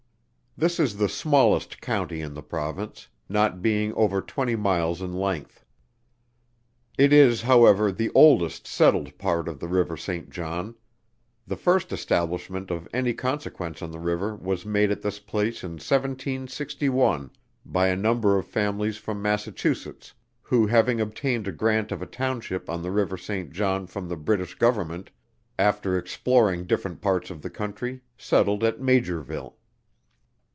This is the smallest County in the Province, not being over twenty miles in length. It is, however, the oldest settled part of the river St. John. The first establishment of any consequence on the river was made at this place in 1761, by a number of families from Massachusetts, who having obtained a grant of a Township on the river St. John from the British Government, after exploring different parts of the country, settled at Maugerville.